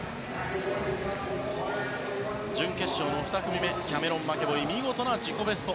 準決勝２組目キャメロン・マケボイが見事な自己ベスト。